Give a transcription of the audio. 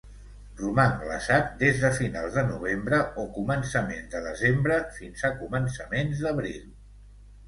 Roman glaçat des de finals de novembre o començaments de desembre fins a començaments d'abril.